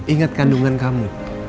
ingat kandungan kamu